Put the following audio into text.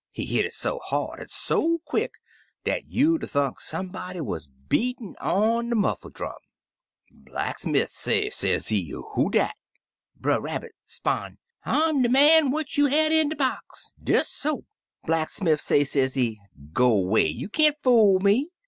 He hit so hard an' so quick dat you'd 'a' thunk somebody wuz beatin' on de muffle' drum. Blacksmiff say, sezee, *Who dat?' Brer Rabbit 'spon', *I'm de man what jrou had in de box* — des so. Blacksmiff say, sezee, *Go 'way! you can't fool me!